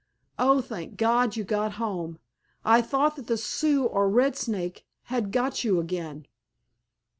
Oh, thank God, you got home! I thought that the Sioux or Red Snake had got you again!"